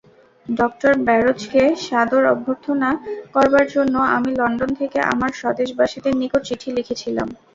Doctor ব্যারোজকে সাদর অভ্যর্থনা করবার জন্য আমি লণ্ডন থেকে আমার স্বদেশবাসীদের নিকট চিঠি লিখেছিলাম।